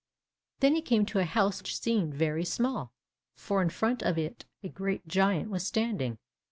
Then he came to a house which seemed very small, for in front of it a great giant was standing.